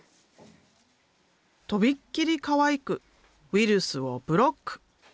とびっきりかわいくウイルスをブロック！